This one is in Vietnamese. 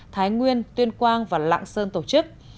thái nguyên tuyên quang và lạng sơn tổ chức